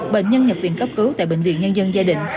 bệnh nhân nhập viện cấp cứu tại bệnh viện nhân dân gia đình